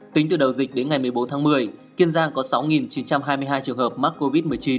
tính từ đầu dịch đến ngày một mươi bốn tháng một mươi kiên giang có sáu chín trăm hai mươi hai trường hợp mắc covid một mươi chín